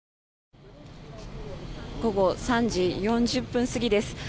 午後３時４０分過ぎです。